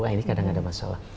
ini kadang ada masalah